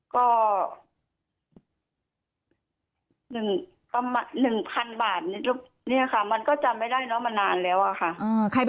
ก็๑๐๐๐บาทเนี่ยค่ะมันก็จำไม่ได้เนอะมานานแล้วอะค่ะ